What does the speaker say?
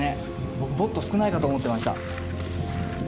僕もっと少ないかと思ってました。